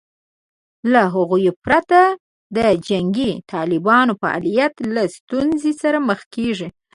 له هغوی پرته د جنګي طالبانو فعالیت له ستونزې سره مخ کېږي